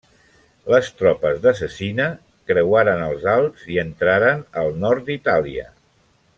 Les tropes de Cecina creuaren els Alps i entraren al nord d'Itàlia.